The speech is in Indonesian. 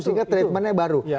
sehingga treatmentnya baru